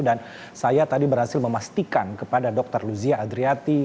dan saya tadi berhasil memastikan kepada dr luzi adriati